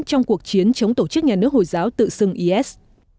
trong cuộc chiến chống tổ chức nhà nước hồi giáo tự xưng is